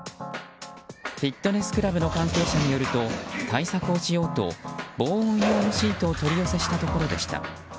フィットネスクラブの関係者によると対策をしようと防音用のシートを取り寄せしたところでした。